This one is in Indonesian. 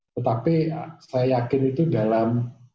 tetapi saya yakin itu dalam